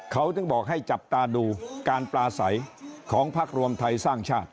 เขาถึงบอกให้จับตาดูการปลาใสของพักรวมไทยสร้างชาติ